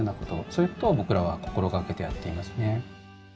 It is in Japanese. そういうことを僕らは心掛けてやっていますね。